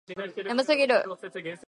眠すぎる